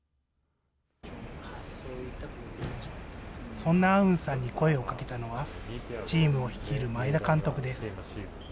そんなアウンさんに声をかけたのは、チームを率いる前田監督です。